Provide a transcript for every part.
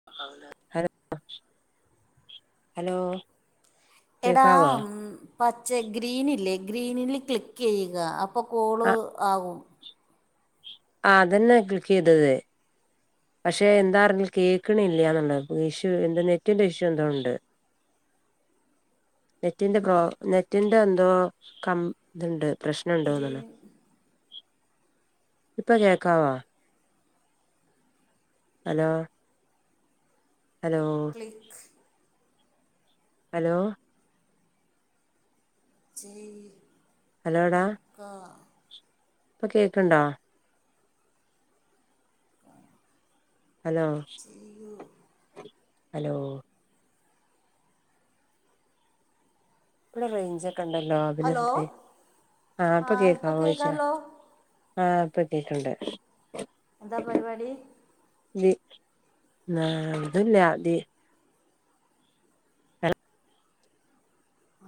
[unintelligible] Hello hello എടാ കേക്കാവോ പച്ച ഗ്രീനില്ലെ ക്ലിക്ക് ചെയ്യുക അപ്പോ കോള് ആ ആകും ആ അതന്നാ ക്ലിക്ക് ചെയ്തത് പക്ഷെ എന്താ അറിയില്ല കേൾക്കണ ഇല്ലന്നുള്ളത് ഇഷ്യൂ എൻ്റെ നെറ്റിന്റെ ഇഷ്യു എന്തോണ്ട് [unintelligible] നെറ്റിന്റെ പ്രോ നെറ്റിന്റെ എന്തോ കം പ്രശ്നിന്തൊന്നാണ് ഗ്രീൻ ഇപ്പൊ കേക്കാവോ? അലോ? അലോ? ക്ലിക്ക്. അലോ? ചെയ് ഹലോടാ. കാ. ഇപ്പൊ കേക്കണ്ടോ? ഹലോ, ചെയ്യൂ ഹലോ? ഇവിടെ റേഞ്ചക്കെ ഒണ്ടല്ലോ ഹലോ പിന്നെന്താ ആഹ് ആ ഇപ്പൊ ഇപ്പം കേക്കാവോ അയിഷ? കേൾക്കാമല്ലോ ആഹ് ഇപ്പൊ കേക്കണ്ട്. എന്താ പരിപാടി? ഇതി നതു ലതി [unintelligible]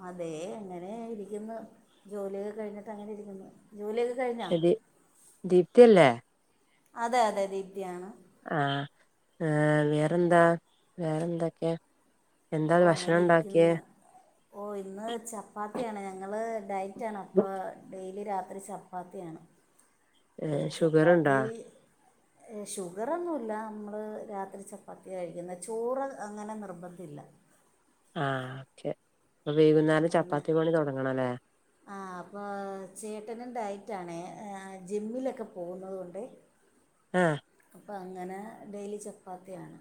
അതെ അങ്ങനെ ഇരിക്കുന്നു. ജോലിയൊക്കെ കഴിഞ്ഞിട്ട് അങ്ങനെ ഇരിക്കുന്നു. ജോലിയൊക്കെ കഴിഞ്ഞാ ശദി ദീപ്തി അല്ലേ? അതെ, അതെ ദീപ്തിയാണ്. ആ ഏ വേറെന്താ വേറെന്തൊക്കെയാ? എന്താ ഓ അങ്ങനെ ഭക്ഷണം ഉണ്ടാക്കിയേ? ഇരിക്കുന്നു ഓ ഇന്ന് ചപ്പാത്തിയാണ്. ഞങ്ങള് ഡയറ്റാണ് അപ്പോ ഡെയിലി രാത്രി ച പ്പാത്തിയാണ് അത് ഏഹ് ഷുഗറുണ്ടോ ചപ്പാത്തി ഷുഗറോന്നുല്ല നമ്മൾ രാത്രി ചപ്പാത്തി കഴിക്കുന്ന ചോറ് അങ്ങനെ നിർബന്ധല്ല. ആ ഓക്കെ അപ്പൊ വൈകുന്നേരം അങ്ങനെ ചപ്പാത്തി പണി തുടങ്ങണ അല്ലേ? ആ അപ്പൊ ചേട്ടനും ഡയിറ്റാണേ ജിമ്മിലൊക്കെ പോകുന്നത് കൊണ്ടേ. [inaudible] ആ അപ്പ അങ്ങനെ ഡെയിലി ചപ്പാത്തിയാണ്.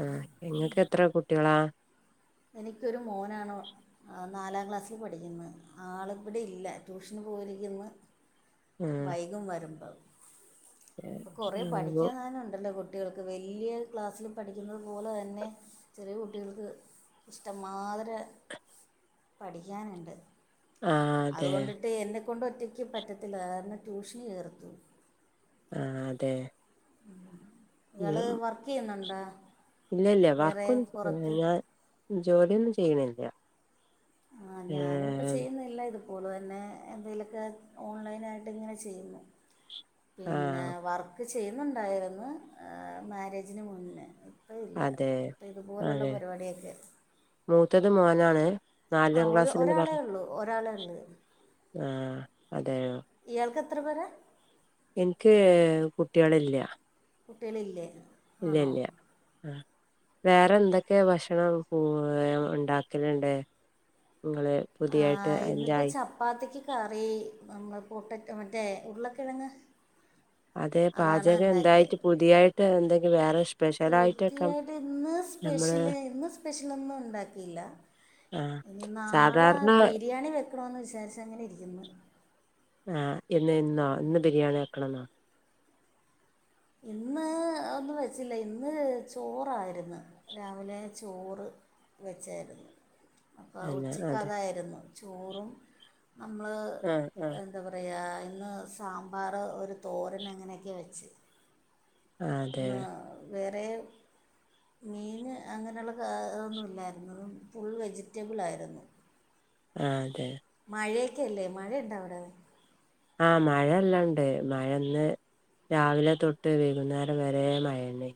ആ ഇങ്ങക്ക് എത്ര കുട്ട്യാളാ? എനിക്കൊരു മോനാണോ. നാലാം ക്ലാസ്സില് പഠിക്കുന്നു. ആളി ഇവിടെ ഇല്ല ട്യൂഷന് പോയിരിക്കുന്ന്. ആഹ് വൈകും വരുമ്പോ ഇപ്പ കുറെ ആഹ് പഠിക്കാൻ തന്നെ ഉണ്ടല്ലോ കു കുട്ട്യാൾക്ക് വലിയ ക്ലാസ്സിൽ പഠിക്കുന്നത് പോലെ തന്നെ ചെറിയ കുട്ടിയൾക്ക്. ഇഷ്ടംമാതിരി പഠിക്കാനുണ്ട്. അതെ അതുകൊണ്ടിട്ട് എന്നെക്കൊണ്ട് ഒറ്റയ്ക്ക് പറ്റത്തില്ല കാരണം ട്യൂഷന് ചേർത്ത്. ആ അതെ. ഇങ്ങള് വർക്കെയ്യുന്നുണ്ടാ? ഇല്ല ഇല്ല വർക്കൊന്നും ഞാൻ ജോലിയൊന്നും ചെയ്യണില്ല. ആഹ് ഞാനുംപ്പ ഏഹ് ചെയ്യുന്നില്ല ഇത് പൂന്നുവരുന്നെ എന്തെലുക്കെ ഓൺലൈനായിട്ട് ഇങ്ങനെ ചെയ്യുന്നു. പിന്നെ ആഹ് വർക്ക് ചെയ്യുന്നുണ്ടായിരുന്നു മാരേജിന് മുന്നേ. ഇപ്പ ഇല്ല അതെ ഇപ്പ ഇതുപോലെള്ള അതെ പരിപാടിയൊക്കെ മൂത്തത് മോനാണ് ആ നാലാം ഒരു ക്ലാസ്സിലെന്ന് ഒരാളേ പറഞ്ഞു. ഉള്ളൂ ഒരാളേ ഉള്ളൂ ആ അതെയോ. ഇയാൾക്ക് എത്ര പേരാ? എൻക്ക് കുട്ട്യളില്ല. കുട്ട്യളില്ലേ? ഇല്ല, ഇല്ല. ആ വേറെ എന്തൊക്കെ ഭക്ഷണം പൂ ഉണ്ടാക്കലുണ്ട്? നിങ്ങളെ ആ ഇന്നിപ്പോ ചപ്പാത്തിക്ക് കറി നമ്മളെ പൊട്ടറ്റൊ മറ്റേ ഉരുളകിഴങ്. അതെ പാചകം എന്തായിട്ട് പുതിയായിട്ട് എന്തെങ്കിൽ വേറെ ഇഷ് പൂതിയായിട്ട് ഇന്ന് നമ്മള് സ്പെഷ്യല് ഇന്ന് സ്പെഷ്യലൊന്നും ഉണ്ടാക്കിയില്ല ആ ഇനി നാളെ സാധാരണ ബിരിയാണി വെകണോന്ന് വിചാരിച് അങ്ങനെ ഇരികുന്നു ആഹ് ഇന്ന് ഇന്നോ ഇന്ന് ബിരിയാണി വെക്കണം ന്നോ ഇന്ന് ഒന്നും വെച്ചില്ല ഇന്ന് ചോറായിരുന്നു രാവിലെ ചോറ് വെച്ചായിരുന്നു അപ്പോ തന്നെ ഉച്ചക്ക് അതെ അതായിരുന്നു ചോറും നമ്മൾ ആഹ് ആഹ് എന്താ പറയാ ഇന്ന് സാമ്പാർ ഒരു തോരന് അങ്ങനെയൊക്കെ വെച്ച് അതെ ഇന്ന് വേറെ മീൻ അങ്ങനെയുള്ള ഒന്നുല്ലായിരുന്നു ഫുൾ വെജിറ്റബിൾ ആയിരുന്നു ആ അതെ മഴയൊക്കെ അല്ലേ മഴയുണ്ടോ അവിടെ ആഹ് മഴ എല്ലണ്ട് മഴന്ന് രാവിലെ തൊട്ട് വൈകുന്നേരം വരെ മഴന്നെ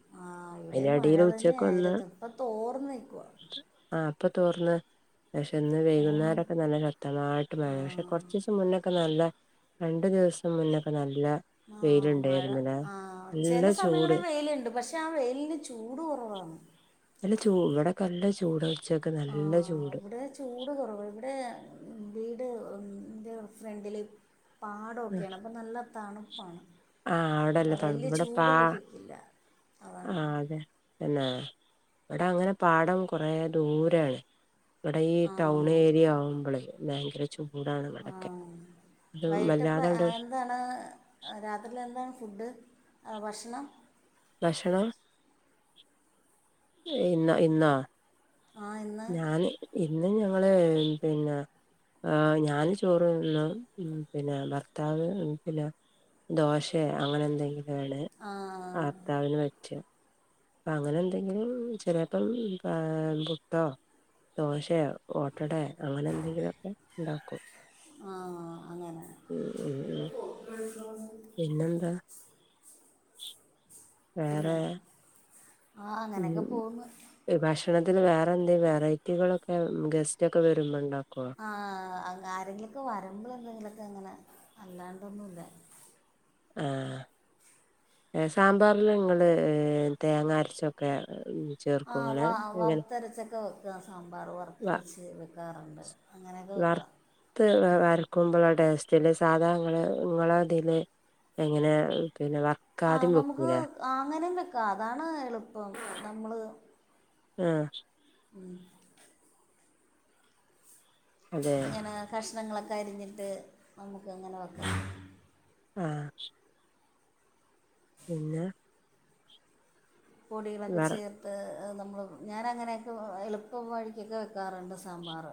അയ്നടീല് ഉച്ചക്ക് ഒന്ന് അ തോർന്നു നികുവാ ആഹ് ഇപ്പൊ തോർന്ന് പക്ഷെ ഇന്ന് വൈകുന്നേരൊക്കെ നല്ല ശക്തമായിട്ട് മഴേ പക്ഷെ ആ കൊർച്ചീസം മുന്നൊക്കെ നല്ല രണ്ടു ദിവസം മുന്നൊക്കെ നല്ല ആ മഴ വെയിലുണ്ടായിരുന്നില്ലേ ആ ചെല നല്ല ചൂട് സമയങ്ങളിൽ വെയിലുണ്ട് പക്ഷെ പക്ഷെ ആ വെയിലിന് ചൂട് കുറവാണ് നല്ല ചൂ ഇവടൊക്കെ നല്ല ചൂടാ ഉച്ചക്ക് നല്ല ആഹ് ചൂട് ഇവിടെ ചൂട് കുറവ് ഇവടെ വീട്ന്റെ ഫ്രണ്ടിൽ പാടൊക്കെയാണ് അപ്പ നല്ല തണുപ്പാണ് ആഹ് അപ്പൊ അവിടെല്ല വല്യ ചൂട് ലഭിക്കില്ല ആ അതാണ് അതെ പിന്നെ ഇവടെ അങ്ങനെ പാടം കൊറെ ദൂരാണ് ഇവടെ ഈ ടൗൺ ആഹ് ഏരിയ ആവുമ്പളയ് ഭയങ്കര ചൂടാണ് ഇവടൊക്കെ. ആഹ് അതും വൈകിട്ടപ്പം വല്ലാതങ്ട്ട് എന്താണ് ഏഹ് രാത്രിയിലെന്താണ് ഫുഡ് ഏഹ് ഭക്ഷണം? ഭക്ഷണം ഇന്നോ ഇന്നോ? ആഹ് ഇന്ന് ഞാന് ഇന്ന് ഞങ്ങള് പിന്നെ ആഹ് ഞാന് ചോറ് തിന്നും. ഉം, പിന്നെ ഭർത്താവ് ഉം പിന്നെ ദോശേ അങ്ങനെ എന്തെങ്കിലും ആണ് ആഹ് അർത്താവിന് പറ്റും. പ്പ അങ്ങനെ എന്തെങ്കിലും ചെലേപ്പം ആഹ് പുട്ടോ ദോശയോ ഓ ട്ടടെ അങ്ങനെ എന്തെങ്കിലൊക്കെ ഇണ്ടാക്കും. ആഹ് അങ്ങനെ ഉം ഉം ഉം. [unintelligible] പിന്നെന്താ വേറെ? ആഹ് അങ്ങനെയൊക്കെ പോവ്ന്നു. ഈ ഭക്ഷണത്തില് വേറെന്തേൽ വെറൈറ്റികളൊക്കെ ഗസ്‌റ്റൊക്കെ വരുമ്പോ ഇണ്ടാക്കോ ആഹ് അഹ് ആരെങ്കിലൊക്കെ വരുമ്പളെന്തെങ്കിലൊക്കെ അങ്ങനെ അല്ലാണ്ടൊന്നൂല്ല. ആഹ്. ഏഹ് സാമ്പാറില് നിങ്ങള് ഏഹ് തേങ്ങ അരച്ചൊക്കെ ആ ചേർക്കോ ഇങ്ങള് വാ എങ്ങനെ വർത്തരച്ചൊക്കെ വെ ക്ക സാമ്പാറ് വ വർത്തരച്ച് വെക്കാറുണ്ട്. അങ്ങനെക്കെ വെക്കാ ത്ത് വാ വരക്കുമ്പളാ ടേസ്റ്റില് സാധാങ്ങള് ഇങ്ങളതില് എങ്ങനെ പിന്നെ വ ആ നമുക്ക് ആ അങ്ങനെയും വെക്കാം അതാണ് എളുപ്പം. നമ്മള് ആഹ്. ഉം. അതെ ഇങ്ങനെ കഷ്ണങ്ങളൊക്കെ അരിഞ്ഞിട്ട് നമുക്ക് അങ്ങനെ വെക്കാം. ആഹ് പിന്നെ പൊടികളൊക്കെ വർ ചേർ ത്ത് ഏഹ് നമ്മള് ഞാനങ്ങനെയൊക്കെ എളുപ്പം വഴിക്കൊക്കെ വെക്കാറ്ണ്ട് സാമ്പാറ്.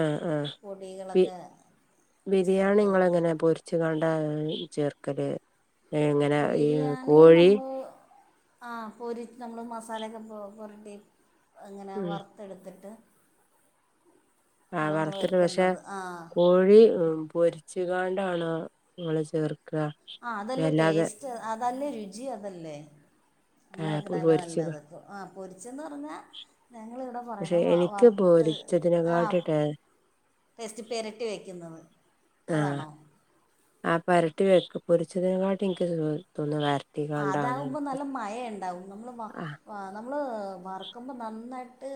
ആഹ് ആഹ്, ബി ചേർത്ത് ബിരിയാണിങ്ങളെങ്ങനാ പൊർ രിച്ച്ക്കാണ്ടാ ചേർക്കല് ഏങ്ങനെ ഈ കോഴി ആഹ് പൊരിച്ച് നമ്മള് മസാലൊക്കെ പൊ പൊരട്ടി അങ്ങനെ ഉം വറ് ത്തെട്ത്തിട്ട് ആഹ് വറ്ത്തിട്ട് പക്ഷെ കോഴി ഉം പൊർ ച്ച് കാണ്ടാണോ നിങ്ങള് ചേർക്കാ? ആഹ് അതല്ലേ ടേസ്റ്റ് അതല്ലേ രുചി അതല്ലേ? അങ്ങനെ ആഹ് വെക്ക്ണല്ലേ പൊരിച്ച് നല്ലത്. ആഹ് പൊരിച്ചെന്ന് പറഞ്ഞാ ഞങ്ങളിവിടെ പക്ഷെ പറയ്ണത് വ എനിക്ക് വർത്ത് ആഹ് പൊരിച്ചതിനെക്കാട്ടി ടേ ജെസ്റ്റ് പെരട്ടി വെക്കുന്നത്. ആഹ്, അതാണോ ആഹ് പെരട്ടി വെക്കും പൊരിച്ചതിനേക്കാട്ടും ഇൻക്ക് തോന്ന വർ ആഹ് അതാകുമ്പോ നല്ല മയേണ്ടാവും നമ്മള് വ ആ ആഹ് നമ്മള് വറക്കുമ്പം നന്നായിട്ട്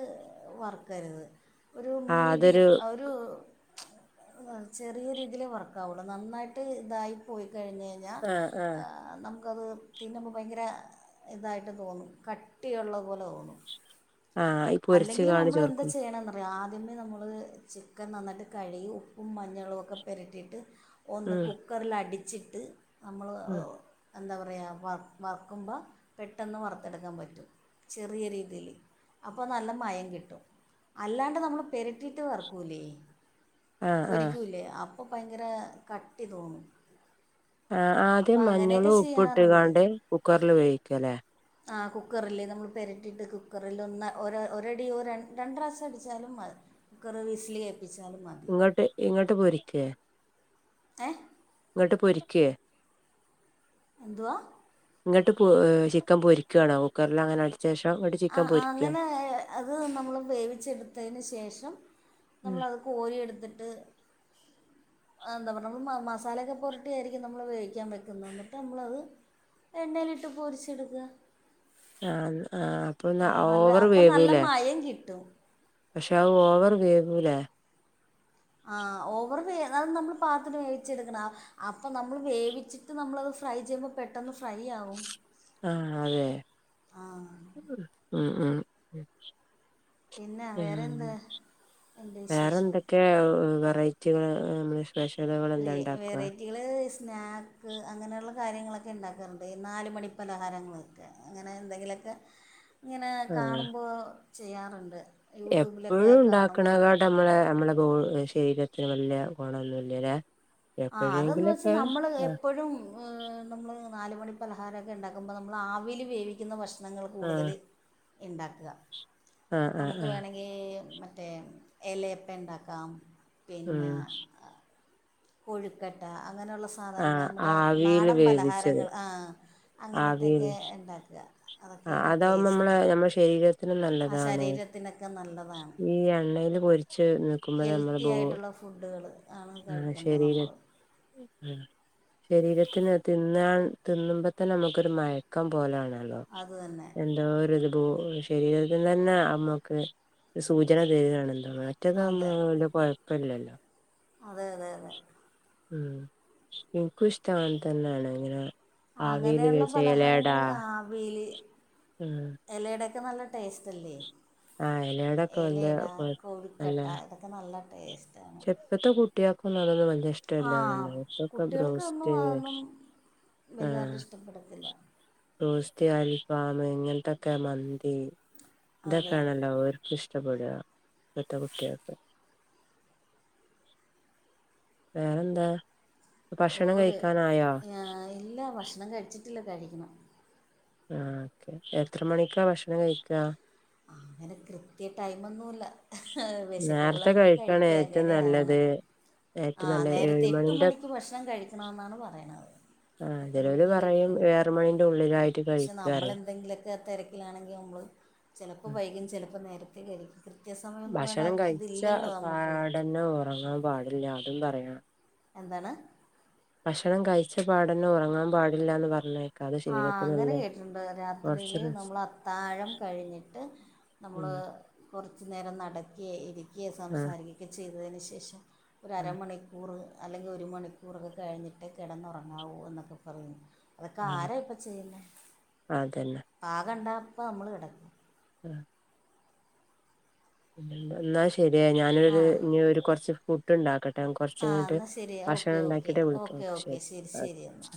വർക്കർത്. ഒരു ആ അതൊരു മീഡിയം അ ഒരൂ ആഹ് ചെറിയ രീതിലേ വർക്കാവൊള്ളു നന്നായിട്ട് ഇതായി പോയി കഴിഞ്ഞേ ഞ്ഞാ ആഹ് നമുക്കത് തിന്നുംമ്പം ഭയങ്കര ഇതായിട്ട് തോന്നും കട്ടിയുള്ളതു പോലെ തോന്നും. ആഹ് ഈ പൊരിച്ച് അല്ലെങ്കില് കാണ് നമ്മളെന്ത ചേർക്കും ചെയ്യണന്നോ ആദ്യമേ നമ്മള് ചിക്കൻ നന്നായിട്ട് കഴ്കി ഉപ്പും മഞ്ഞളോക്കെ പെരട്ടിയിട്ട് ഒന്ന് ഉം കുക്കറിൽ അടിച്ചിട്ട് നമ്മള് ഉം ഓഹ് എന്താ പറയുക വ വർക്കുമ്പോൾ പെട്ടെന്ന് വറുത്തെടുക്കാൻ പറ്റും ചെറിയ രീതിയി ല് അപ്പോൾ നല്ല മയം കിട്ടും അല്ലാണ്ട് നമ്മൾ പെരട്ടിയിട്ട് വർക്കൂല്ലേ ആഹ് ആഹ് പൊരിക്കൂല്ലേ അപ്പൊ ഭയങ്കര കട്ടി തോന്നു ആഹ് ആദ്യം മഞ്ഞളും ഉപ്പ് ഇട്ട് കാണ്ട് കുക്കറിൽ വേവിക്കല്ലേ ആഹ് കുക്കറ്ല് നമ്മൾ പെരട്ടിയിട്ട് കുക്കറ്ല് ഒന്ന് ഒര ഒരടി രണ്ട് പ്രാവശ്യം അടിച്ചാലും മതി കുക്കറ് വിസ്ൽ കേറ്റിച്ചാലും മതി ഇങ്ങട്ട് ഇങ്ങട്ട് പൊരിക്കേ ഏ ഇങ്ങോട്ട് പൊരിക്കേ എന്തുവാ ഇങ്ങട്ട് പൊ ചിക്കൻ പൊരിക്കാണോ കുക്കറ്ലങ്ങനെട് ശേഷം അട് ആഹ് ആഹ് അങ്ങനെ അത് നമ്മൾ വേവിച്ചെട്ത്തതിന് ശേഷം ഉം നമ്മളത് കോരി എട്ത്തിട്ട് എന്താ പറയുക നമ്മ മസാലയൊക്കെ പുരട്ടിയ ആയിരിക്കും നമ്മൾ വേവിക്കാൻ വെക്ക്ന്നത് എന്നിട്ട് നമ്മളത് എണ്ണയിലിട്ട് പൊരിച്ചെടുക്ക ആഹ് ആഹ് അപ്പൊ ആ നല്ല ഓവർ അപ്പം വേവൂല്ലെ [unintelligible] കിട്ടും പക്ഷെ അത് ഓവർ വേവൂലെ ആഹ് ഓവർ വേ പത് നമ്മള് പാത്ത്ന് വേവിച്ചെടുക്കണം ആഹ് അപ്പൊ നമ്മള് വേവിച്ചിട്ട് നമ്മളത് ഫ്രൈ ചെയ്യുമ്പോ പെട്ടന്ന് ഫ്രൈ ആവും ആഹ് അതെ ആ ഉം ഉം പിന്നെ വേറെ എന്ത് ഉണ്ട് വേറെ വിശേഷം എന്തൊക്കെ വെറയിറ്റികള് [unintelligible] പെഷലോ വെ വെറൈറ്റി കുട്ടികൾ സ്നാക്ക് അങ്ങനെയുള്ള കാര്യങ്ങളൊക്കെ ഉണ്ടാക്കാറുണ്ട് ഈ നാ മണി പലഹാരങ്ങൾ അങ്ങനെ എന്തെങ്കിലുമൊക്കെ ഇങ്ങനെ ആഹ് കാണുമ്പോൾ ചെയ്യാറുണ്ട് യൂട്യൂബിലൊക്കെ എപ്പോഴും കാണുമ്പോൾ ഉണ്ടാക്കണക്കായിട്ട് നമ്മളെ നമ്മളെ ശരീരത്തിന് വല്യ ഗുണൊന്നുമല്ലല്ലേ ആ അതന്ന് വെച്ചാ നമ്മള് എപ്പോഴും നമ്മൾ നാല മണി പലഹാരമൊക്കെ ഉണ്ടാക്കുമ്പോൾ നമ്മൾ ആവിൽ വേവിക്കുന്ന ഭക്ഷണം ഭക്ഷണങ്ങള്കൂടുതൽ ആഹ് ഇണ്ടാക്കുക ആഹ് ആഹ് നമുക്ക് ആഹ് വേണമെങ്കിൽ അങ്ങെ മറ്റേ ഇലയപ്പ ഉണ്ടാക്കാം ഉം പിന്നെ കൊഴുക്കെട്ട അങ്ങനെയുള്ള സാധനൾ ആഹ് നമ്മുടെ ആവിയില് നാടൻ വേവിച്ചത് പലഹാരങ്ങൾ ആ അങ്ങനത്തൊക്കെ ഉണ്ടാക്കുക ആ അതൊക്കെയാണ് അതാവുമ്പോ നമ്മള ടേസ്റ്റ് നമ്മുടെ ശരീരത്തിനും ആ നല്ലതാണ് ശരീരത്തിനൊക്കെ നല്ലതാണ് ഈ എണ്ണൽ പൊരി കുച്ച് നിൽക്കുമ്പോ ഹെൽത്തി ആയിട്ടുള്ള [unintelligible] ഫുഡുകൾ ആണ് കഴിക്കുക ശരിരാ ആ ശരീരത്തിന് തിന്നാൻ തിന്നുമ്പത്തന്നെ നമുക്കൊരു മഴ ക്കം പോലാണല്ലോ അത് തന്നെ എന്തോ ഒരു അ ശരീരത്തി തന്നെ നമ്മക്ക് സൂചന തരുകാണ് എന്തോ മറ്റ അതെ താകുമ്പോ കുഴപ്പില്ലല്ലോ അതെ അതെ അതെ ഉ എനിക്ക് ഇഷ്ടം തന്നാണ്ങ്ങന അങ്ങനെയുള്ള പലഹാരങ്ങള് ആവിയില് ഉം ഇലയടെക്കെ നല്ല ടേസ്റ്റ്ല്ലേ ആഹ് എലയടൊക്കെ വല്യ ഇലയിട കൊഴ കോഴിക്കട്ട ഇതൊക്കെ അത് നല്ല ടേസ്റ്റാണ് എപ്പഴത്തെ കുട്ടികൾക്കൊന്നും ഇതൊന്നും ആ ഇഷ്ടല്ലാല്ല ഇപ്പൊക്കെ കുട്ടികൾക്കൊന്നും ബ്രൗസ്റ്റ് അതൊന്നും വലുതായിട്ട് ആഹ ഇഷ്ടപ്പെടത്തില്ല സ് അൽഫാം ഇങ്ങനത്തെക്കെ മന്തി അതെ ഇതൊക്കെയാണല്ലോ ഇഷ്ടപ്പെടുക ഇപ്പോത്തെ കുട്ടികൾക്കു വേറെന്താ ഭക്ഷണം ഓവ് കഴിക്കാനായോ ഇല്ല ഭക്ഷണം കഴിച്ചിട്ടില്ല കഴിക്കണം ആഹ് ഓക്കെ എത്ര മണിക്കാണ് ഭക്ഷണം കഴിക്കുക അങ്ങനെ കൃത്യ ടൈമൊന്നുമല്ല നേരത്തെ വിശക്കുമ്പോളങ്ങ് കഴിക്കാണ് കഴിക്കുക ഏറ്റവും അങ്ങനെയാണ് നല്ലത് ഏറ്റവും ആഹ് നല്ല നേരത്തെ എട്ട് ഏഴുമണിന്റെ മണിക്ക് ഭക്ഷണം കഴിക്കണംന്നാണ് പറയണത് ആഹ് ചെലോല് എട്ടുമണിക്ക് പറയും കഴിക്കണം ഏഴ് മണിന്റെ ഉള്ളിലായിട്ട് പക്ഷെ നമ്മൾ കഴിക്കാറിം എന്തെങ്കിലും തിരക്കിലാണെങ്കിൽ നമ്മൾ ചിലപ്പോൾ വൈകും ചിലപ്പോൾ നേരത്തേ കഴിക്കും കൃത്യസമയംന്ന് പറയണ ഇതില്ലല്ലോ നമുക്ക് പിന്നെ ഉറങ്ങാൻ പാടില്ല അതും പറയാ എന്താണ് ഭക്ഷണം കഴിച്ച പാടന്നെ ഉറങ്ങാൻ പാടില്ലാന്ന് പറഞ്ഞ ആഹ് അങ്ങനെ കേട്ടിട്ടുണ്ട് കൊറച്ച് രാത്രിയില് റെസ് നമ്മൾ അത്താഴം കഴിഞ്ഞിട്ട് നമ്മൾ ഉം കുറച്ച നേരം നടക്കുക ഇരിക്കുക ആഹ് സംസാരിക്കുകയൊക്കെ ചെയ്തതിന് ശേഷം ആഹ് ഒരുരരമണി കൂറ് അല്ലെങ്കിൽ ഒരു മണിക്കൂറൊക്കെ കഴിഞ്ഞിട്ട് കിടന്നുറങ്ങാവൂ എന്നൊക്കെ പറയുന്നു ക്ക ആഹ് ആര ഇപ്പ ചെയ്ല്ല അതന്നെ പാകണ്ടപ്പ നമ്മള് കിടക്കും ഉം എന്നാ ശരിയ ആ ഞാനൊരു ഇ ഒരു കുറച്ച് ഫ ഫുഡ്‌ ഉണ്ടാക്കട്ടെ കൊറച്ച് ആ കഴിഞ്ഞിട്ട് എന്നാൽ ശരി ഓക്കെ ഭക്ഷണം ഓക്കെ ഉണ്ടാക്കിട്ടെ വിളിക്കാം ഓക്കെ ഓക്കെ ശരി ശരി എന്നാൽ